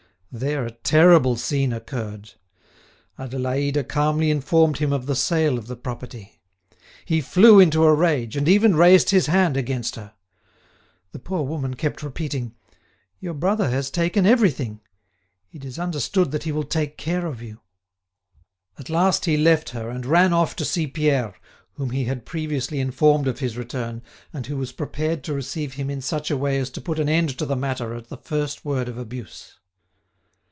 There a terrible scene occurred. Adélaïde calmly informed him of the sale of the property. He flew into a rage, and even raised his hand against her. The poor woman kept repeating: "Your brother has taken everything; it is understood that he will take care of you." At last he left her and ran off to see Pierre, whom he had previously informed of his return, and who was prepared to receive him in such a way as to put an end to the matter at the first word of abuse.